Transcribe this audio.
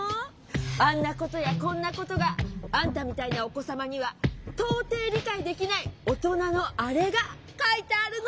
あんなことやこんなことが。あんたみたいなお子さまにはとうてい理解できないおとなのあれが書いてあるの！